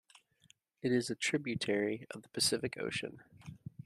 It is a tributary of the Pacific Ocean.